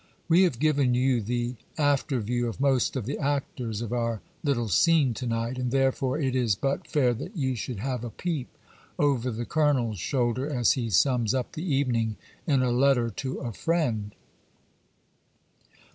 We have given you the after view of most of the actors of our little scene to night, and therefore it is but fair that you should have a peep over the Colonel's shoulder as he sums up the evening in a letter to a friend.